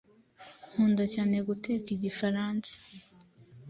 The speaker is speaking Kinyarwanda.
Nkunda cyane guteka Igifaransa.